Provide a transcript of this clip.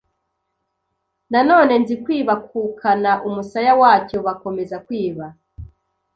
Na none Nzikwiba akukana umusaya wacyo Bakomeza kwiba